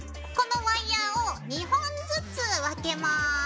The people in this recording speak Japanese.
このワイヤーを２本ずつ分けます。